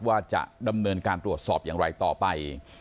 ว่าจะดำเนินการตรวจสอบอย่างไรต่อไป